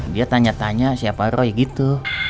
dia tanya tanya siapa roy gitu